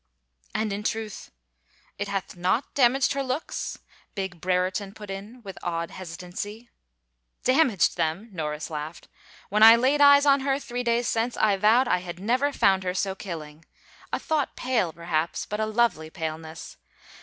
" And in truth ... it hath not damaged her looks ?" big Brereton put in, with odd hesitancy. " Damaged them 1 " Norris laughed. " When I laid eyes on her, three days since, I vowed I had never found her so killing. A thought pale, perhaps, but a lovely paleness.